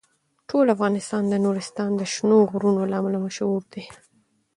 ټول افغانستان د نورستان د شنو غرونو له امله مشهور دی.